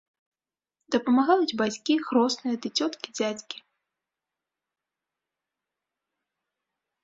Дапамагаюць бацькі, хросная, ды цёткі-дзядзькі.